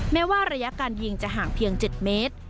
แม้ว่าระยะการยิงจะห่างเพียง๗เมตร